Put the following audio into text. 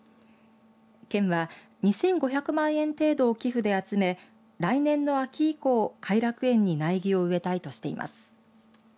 県は２５００万円程度を寄付で集め来年の秋以降偕楽園に苗木を植えたいとしています。